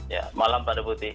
ya malam pada putih